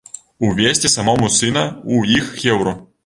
Увесці самому сына ў іх хеўру.